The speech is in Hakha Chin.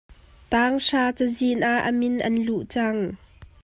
Tang hra cazin ah a min an luh cang.